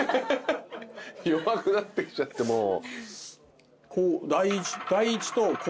弱くなってきちゃってもう。